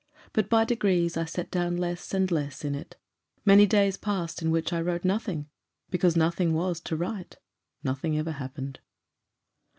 But by degrees I set down less and less in it. Many days passed in which I wrote nothing, because nothing was to write. Nothing ever happened."